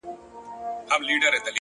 مهرباني د کینې دیوالونه نړوي،